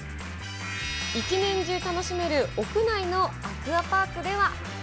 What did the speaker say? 一年中楽しめる屋内のアクアパークでは。